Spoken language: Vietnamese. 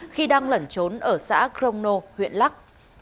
khi đang lẩn trốn ở xã crono huyện lắc